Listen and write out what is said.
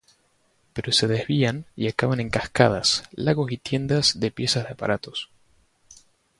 Pero se desvían y acaban en cascadas, lagos y tiendas de piezas de aparatos.